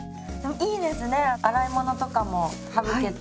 いいですね洗い物とかも省けて。